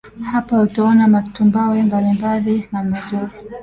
Hapa utaona matumbawe mbalimbali na mazuri